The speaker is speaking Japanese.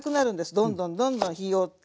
どんどんどんどん日を追って。